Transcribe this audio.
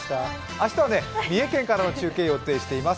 明日は三重県からの中継を予定しています。